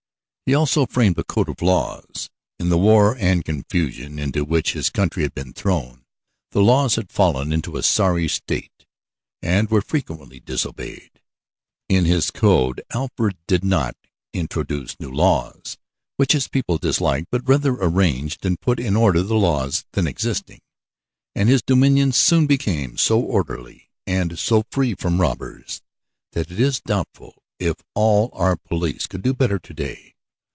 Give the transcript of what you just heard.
He also framed a code of laws. In the war and confusion into which his country had been thrown, the laws had fallen into a sorry state and were frequently disobeyed. In his code Alfred did not introduce new laws, which his people disliked, but rather arranged and put in order the laws then existing, and his dominions soon became so orderly and so free from robbers that it is doubtful if all our police could do better to day.